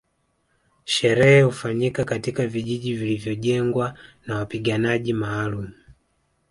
Sherehe hufanyika katika vijiji vilivyojengwa na wapiganaji maalumu